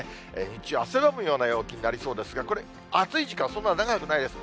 日中、汗ばむような陽気になりそうですが、これ、暑い時間、そんな長くないです。